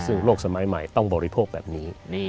ซึ่งโลกสมัยใหม่ต้องบริโภคแบบนี้